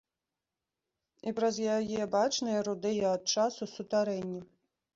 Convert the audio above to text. І праз яе бачныя рудыя ад часу сутарэнні.